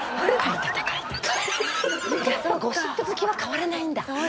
やっぱゴシップ好きは変わらないんだ。